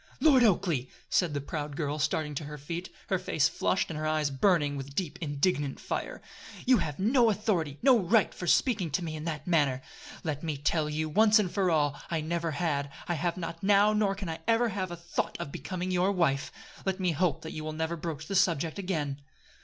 "Lord Oakleigh!" said the proud girl starting to her feet, her face flushed and her eyes burning with deep indignant fire, "you have no authority no right for speaking to me in that manner. Let me tell you, once for all, I never had, I have not now, nor can I ever have a thought of becoming your wife. Let me hope that you will never broach the subject again."